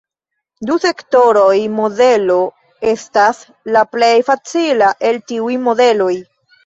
Du-sektoroj-modelo estas la plej facila el tiuj modeloj.